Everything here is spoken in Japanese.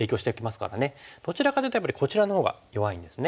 どちらかというとやっぱりこちらのほうが弱いんですね。